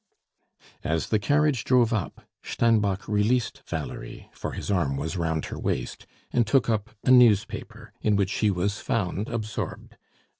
As the carriage drove up, Steinbock released Valerie, for his arm was round her waist, and took up a newspaper, in which he was found absorbed.